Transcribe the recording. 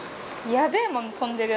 やべえもん飛んでるよ